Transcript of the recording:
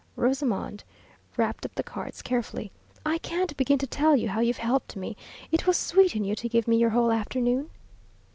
Rosamond wrapped up the cards carefully. "I can't begin to tell you how you've helped me. It was sweet in you to give me your whole afternoon."